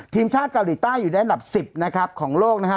ทีมชาติเกาหลีใต้อยู่ได้อันดับ๑๐นะครับของโลกนะฮะ